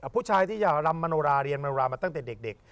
ผู้ชายที่จะรำมโนราเรียนมโนรามาตั้งแต่เด็ก